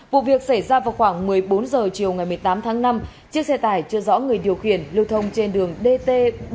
vụ việc xảy ra vào khoảng một mươi bốn h chiều ngày một mươi tám tháng năm chiếc xe tải chưa rõ người điều khiển lưu thông trên đường dt bảy trăm bảy